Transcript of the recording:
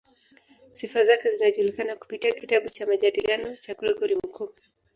Sifa zake zinajulikana kupitia kitabu cha "Majadiliano" cha Gregori Mkuu.